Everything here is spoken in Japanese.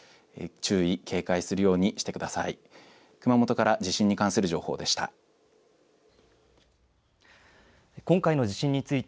注意、警戒するようにしてください。